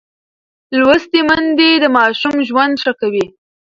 لوستې میندې د ماشوم ژوند ښه کوي.